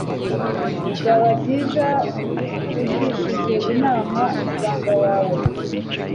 Byaba byiza ugishije inama muganga wawe.